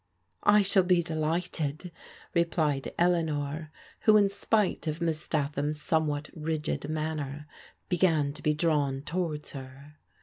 " I shall be delighted," replied Eleanor, who, in spite of Miss Statham's somewhat rigid manner, began to be drawn towards her.